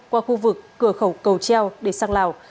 qua khu vực cửa khẩu cầu treo để sang lào